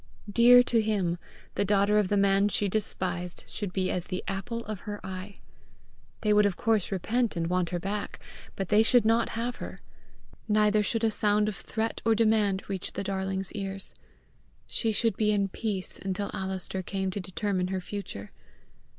Dear to him, the daughter of the man she despised should be as the apple of her eye! They would of course repent and want her back, but they should not have her; neither should a sound of threat or demand reach the darling's ears. She should be in peace until Alister came to determine her future.